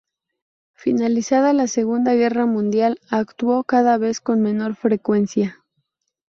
Finalizada la Segunda Guerra Mundial, actuó cada vez con menor frecuencia.